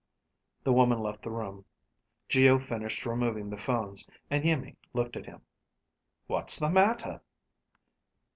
The woman left the room, Geo finished removing the phones, and Iimmi looked at him. "What's the matter?"